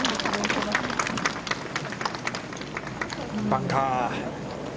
バンカー。